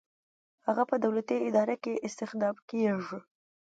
هغه په دولتي اداره کې استخدام کیږي.